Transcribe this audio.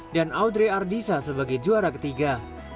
dan audrey ardisa sebagai juara ketiga